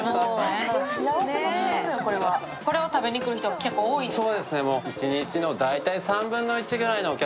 これを食べに来る人が結構多いんですか。